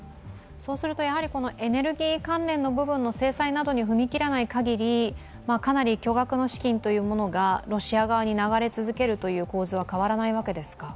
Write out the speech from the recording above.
そうするとエネルギー関連の制裁に踏み切らないかぎり、かなり巨額の資金というものがロシア側に流れ続けるという構図は変わらないわけですか？